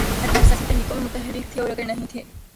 ادیب سیاسی تحریکوں میں متحرک تھے اور اگر نہیں تھے۔